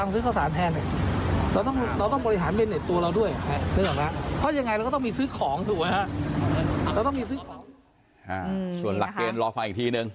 ส่วนหลักเกณฑ์รอฟังอีกทีนึง